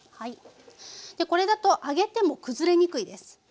これだと揚げてもくずれにくいです。